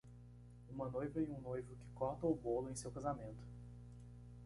Uma noiva e um noivo que corta o bolo em seu casamento.